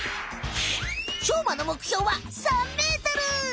しょうまの目標は３ｍ！